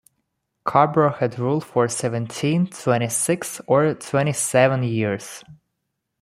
Cairbre had ruled for seventeen, twenty-six or twenty-seven years.